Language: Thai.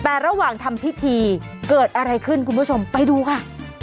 แต่ระหว่างทำพิธีเกิดอะไรขึ้นคุณผู้ชมไปดูค่ะ